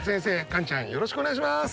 カンちゃんよろしくお願いします。